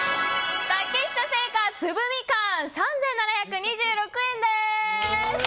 竹下製菓、つぶみかん３７２６円です。